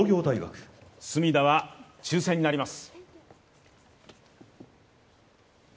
隅田は抽選になります。